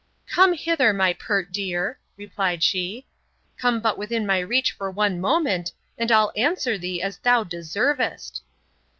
—Come hither, my pert dear, replied she, come but within my reach for one moment, and I'll answer thee as thou deservest.